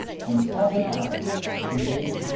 When caught in arms, engaged i862.